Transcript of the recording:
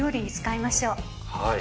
はい。